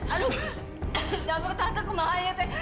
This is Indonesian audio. aduh jangan berkata kata kemahir ya tante